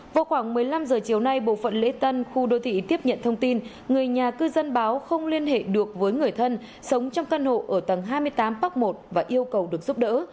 vào khoảng một mươi năm h chiều nay bộ phận lễ tân khu đô thị tiếp nhận thông tin người nhà cư dân báo không liên hệ được với người thân sống trong căn hộ ở tầng hai mươi tám park một và yêu cầu được giúp đỡ